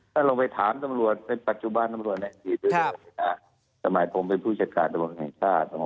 ถ้าลงไปถามตำรวจในปัจจุบันตำรวจสมัยผมเป็นผู้จัดการตำรวจแห่งชาติ